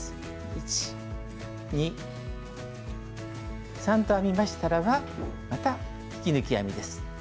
１２３と編みましたらばまた引き抜き編みです。